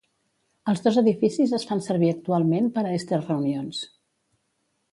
Els dos edificis es fan servir actualment per a estes reunions.